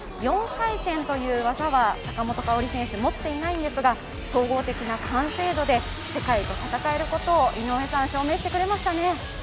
４回転という技は坂本花織選手、持っていないんですが、総合的な完成度で世界と戦えることを証明してくれましたね。